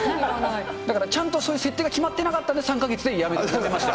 だからちゃんと設定が決まってなかったんで、３か月でやめました。